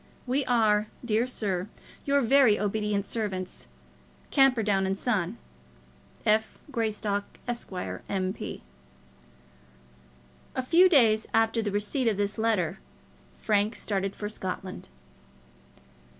We are, dear sir, Your very obedient servants, CAMPERDOWN & SON. F. Greystock, Esq., M.P. A few days after the receipt of this letter Frank started for Scotland.